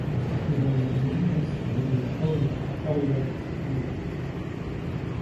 يا مسهد القوم أطلت السنة